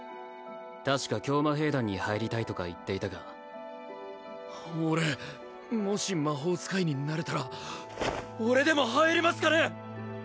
確か教魔兵団に入りたいとか言っていたが俺もし魔法使いになれたら俺でも入れますかね？